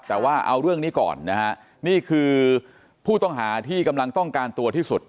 แต่ว่าเอาเรื่องนี้ก่อนนะฮะนี่คือผู้ต้องหาที่กำลังต้องการตัวที่สุด